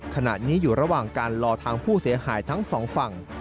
ขณะนี้อยู่ระหว่างการรอทางผู้เสียหายทั้งสองฝั่ง